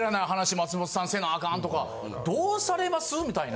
松本さんせなアカンとかどうされます？みたいな。